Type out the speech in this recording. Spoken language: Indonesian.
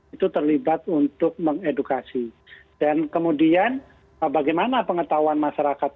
itu terlibat untuk mengedukasi dan kemudian bagaimana pengetahuan masyarakat